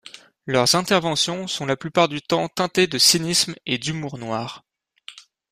Leurs interventions sont la plupart du temps teintées de cynisme et d'humour noir.